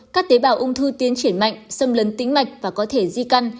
các tế bào ung thư tiến triển mạnh xâm lấn tính mạch và có thể di căn